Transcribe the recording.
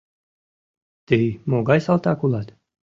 — Тый могай салтак улат!